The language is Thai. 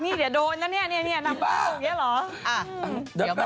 โอ๊ยนี่เดี๋ยวโดนนะเนี่ยนี่นับประสุทธิ์เยอะหรอนี่บ้า